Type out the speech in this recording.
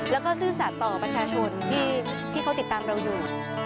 แล้วก็ซื่อสัตว์ต่อประชาชนที่เขาติดตามเราอยู่